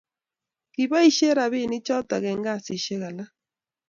kabaishe rabinik choton eng kazishek alak